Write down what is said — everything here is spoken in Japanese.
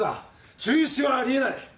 中止はありえない！